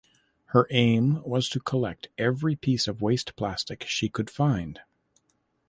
Her aim was to collect every piece of waste plastic she could find.